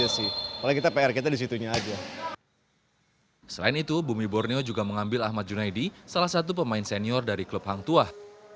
selain itu bumi borneo juga mengambil ahmad junaidi salah satu pemain senior dari klub hang tuah